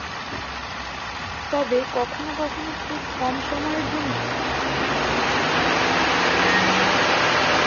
তবে কখনো কখনো খুব কম সময়ের জন্য ডানা মেলে বসে এবং তাপ আহরণ করে।